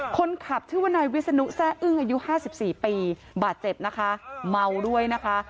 คนขับชื่อว่านายวิศนุแซ่อึ้งอายุ๕๔ปีบาดเจ็บนะคะเมาด้วยนะคะ